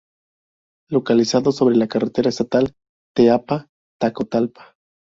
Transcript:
Localizado sobre la carretera estatal Teapa-Tacotalpa.